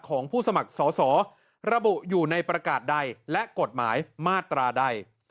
ของผู้สมัครสอสอระบุอยู่ในประกาศใดและกฎหมายมาตราใด